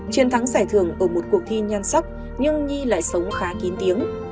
chiến thắng giải thưởng ở một cuộc thi nhan sắc nhưng nhi lại sống khá kín tiếng